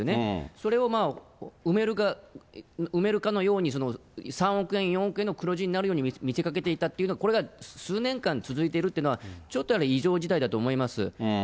それを埋めるかのように、３億円、４億円の黒字になるように見せかけていたと、これが数年間続いているというのは、ちょっとやはり異常事態だと思います。